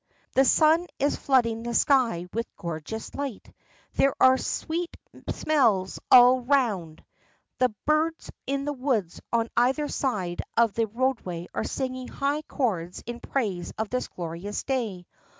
The sun is flooding the sky with gorgeous light; there are "sweete smels al arownd." The birds in the woods on either side of the roadway are singing high carols in praise of this glorious day.